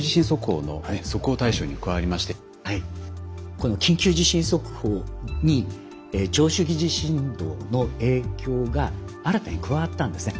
この緊急地震速報に長周期地震動の影響が新たに加わったんですね。